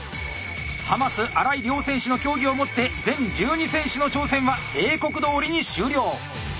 浜洲荒井両選手の競技をもって全１２選手の挑戦は定刻どおりに終了。